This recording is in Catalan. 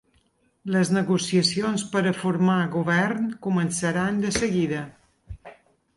Les negociacions per a formar govern començaran de seguida.